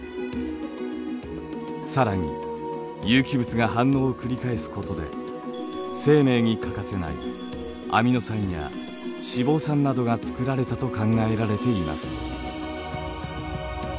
更に有機物が反応を繰り返すことで生命に欠かせないアミノ酸や脂肪酸などがつくられたと考えられています。